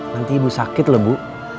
nanti ibu sakit loh bu